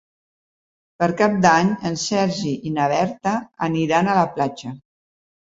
Per Cap d'Any en Sergi i na Berta aniran a la platja.